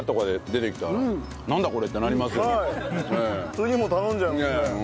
次も頼んじゃいますね。